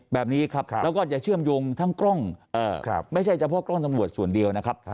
แบบนี้ครับแล้วก็จะเชื่อมโยงทั้งกล้องไม่ใช่เฉพาะกล้องตำรวจส่วนเดียวนะครับ